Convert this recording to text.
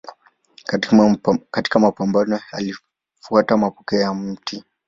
Katika mapambano hayo alifuata mapokeo ya Mt.